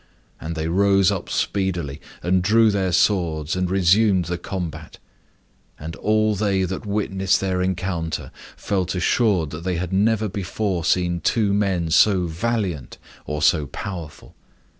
And they rose up speedily and drew their swords, and resumed the combat. And all they that witnessed their encounter felt assured that they had never before seen two men so valiant or so powerful.